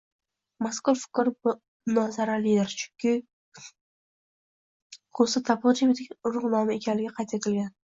Mazkur fikr munozaralidir, chunki ko‘sa toponimining urug‘ nomi ekanligi qayd etilgan.